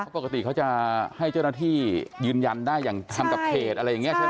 ปกติเขาจะให้เจ้าหน้าที่ยืนยันได้อย่างทำกับเขตอะไรอย่างนี้ใช่ไหม